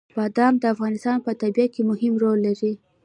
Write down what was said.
بادام د افغانستان په طبیعت کې مهم رول لري.